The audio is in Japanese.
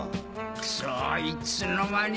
クソいつの間に。